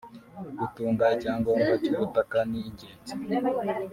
Gutunga icyangombwa cy’ubutaka ni ingenzi